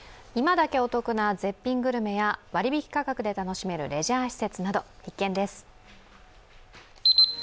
今だけお得な絶品グルメや割引価格で楽しめるレジャー施設など、必見です。